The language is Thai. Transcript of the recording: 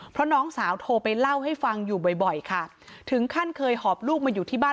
เพราะน้องสาวโทรไปเล่าให้ฟังอยู่บ่อยบ่อยค่ะถึงขั้นเคยหอบลูกมาอยู่ที่บ้าน